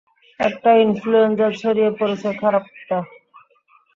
একটা ইনফ্লুয়েঞ্জা ছড়িয়ে পড়েছে, খারাপ টা।